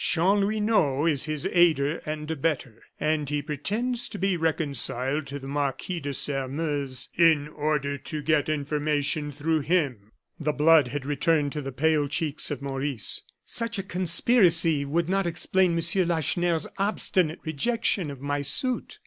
Chanlouineau is his aider and abettor; and he pretends to be reconciled to the Marquis de Sairmeuse in order to get information through him " The blood had returned to the pale cheeks of Maurice. "Such a conspiracy would not explain Monsieur Lacheneur's obstinate rejection of my suit."